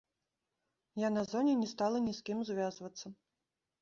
Я на зоне не стала ні з кім звязвацца.